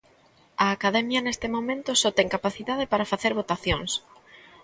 A Academia neste momento só ten capacidade para facer votacións.